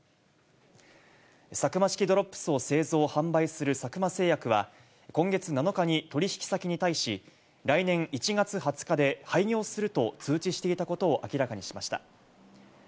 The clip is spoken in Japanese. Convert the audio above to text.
サクマ式ドロップスを製造・販売する佐久間製菓は今月７日に取り引き先に対し、来年１月２０日で廃業すると通知していたことを明らかにしました。